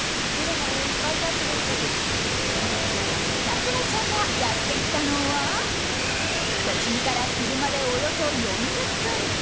咲楽ちゃんがやってきたのは都心から車でおよそ４０分